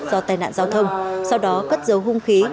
do tai nạn giao thông sau đó cất dấu hung khí